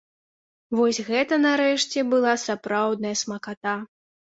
Вось гэта, нарэшце, была сапраўдная смаката!